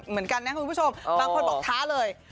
เหมือนกันนะคุณผู้ชมบางคนบอกท้าเลย